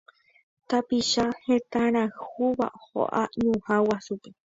Tapicha hetãrayhúva ho'a ñuhã guasúpe